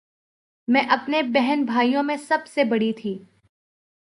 میں اپنے بہن بھائیوں میں سب سے بڑی تھی